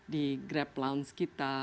di grab lounge kita